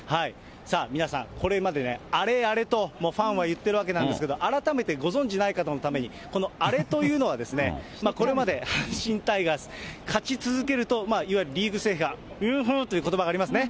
皆さん、これまでね、あれあれともうファンは言ってるわけなんですけれども、改めてご存じない方のために、このアレというのはですね、これまで阪神タイガース、勝ち続けると、いわゆるリーグ制覇、優勝ということばがありますよね。